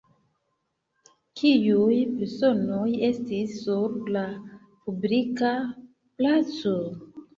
Kiuj personoj estis sur la publika placo?